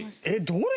どれ？